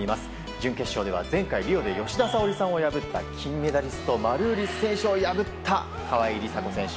準決勝では、前回リオで吉田沙保里さんを破った金メダリストマルーリス選手を破った川井梨紗子選手。